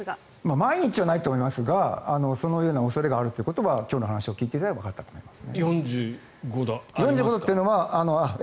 毎日はないと思いますがそのような恐れがあるというのは今日の話でわかると思います。